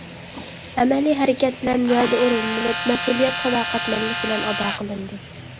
ئەمەلىي ھەرىكەت بىلەن ۋەدە ئورۇندىلىپ، مەسئۇلىيەت ساداقەتمەنلىك بىلەن ئادا قىلىندى.